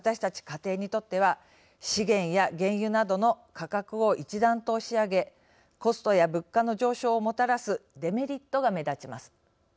家庭にとっては資源や原油などの価格を一段と押し上げコストや物価の上昇をもたらすデメリットが目立ちます。